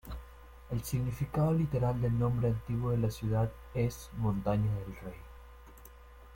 El significado literal del nombre antiguo de la ciudad es 'Montaña del Rey'.